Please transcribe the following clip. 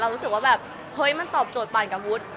รู้สึกว่าแบบเฮ้ยมันตอบโจทยปั่นกับวุฒิ